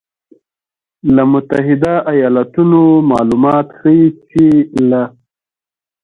له متحدو ایالتونو مالومات ښیي چې له